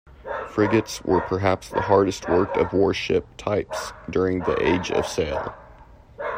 Frigates were perhaps the hardest-worked of warship types during the Age of Sail.